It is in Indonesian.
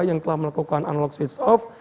yang telah melakukan unlockswitch off